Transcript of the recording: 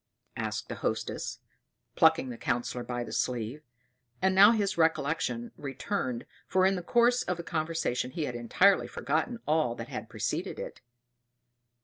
asked the Hostess, plucking the Councillor by the sleeve; and now his recollection returned, for in the course of the conversation he had entirely forgotten all that had preceded it.